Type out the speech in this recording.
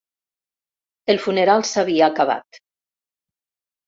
El funeral s'havia acabat.